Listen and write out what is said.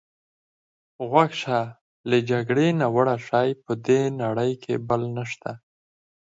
غوږ شه، له جګړې ناوړه شی په دې نړۍ کې بل نشته.